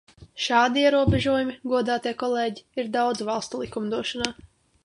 Šādi ierobežojumi, godātie kolēģi, ir daudzu valstu likumdošanā.